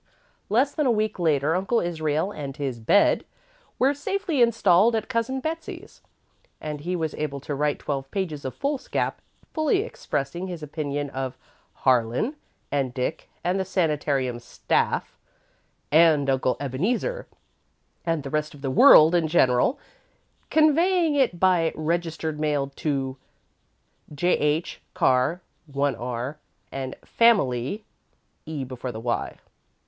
Less than a week later, Uncle Israel and his bed were safely installed at Cousin Betsey's, and he was able to write twelve pages of foolscap, fully expressing his opinion of Harlan and Dick and the sanitarium staff, and Uncle Ebeneezer, and the rest of the world in general, conveying it by registered mail to "J. H. Car & Familey."